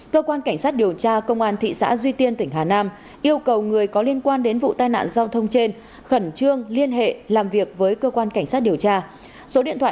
cơ quan cảnh sát điều tra công an thị xã duy tiên tỉnh hà nam đề nghị người dân biết phát hiện tố xác chủ các phương tiện tham gia giao thông có camera hành trình cung cấp cho cơ quan cảnh sát điều tra để kịp thời phát hiện xử lý